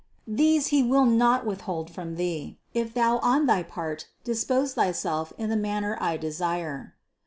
These He will not withhold from thee, if thou on thy part dispose thyself in the manner I desire.